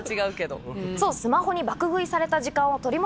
さぁスマホに爆食いされた時間を取り戻す方法。